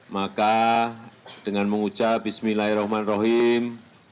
maka dengan mengucap bismillahirrahmanirrahim